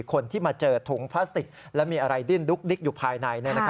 คนที่มาเจอถุงพลาสติกและมีอะไรดิ้นดุ๊กดิ๊กอยู่ภายใน